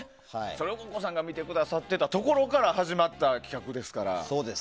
それをＣｏｃｃｏさんが見てくださっていたところから始まった企画ですから。